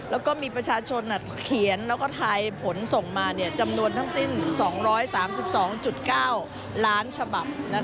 แลบนประชาชนที่เขียนแล้วทายผลส่งมาเนี่ยจำนวนทั้งสิ้น๒๓๒๙ล้านส่วนนะคะ